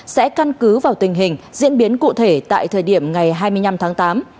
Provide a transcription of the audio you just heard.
sẽ căn cứ vào tình hình diễn biến cụ thể tại thời điểm ngày hai mươi năm tháng tám